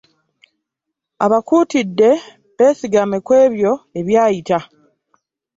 Abakuutidde beesigame ku ebyo ebyayita.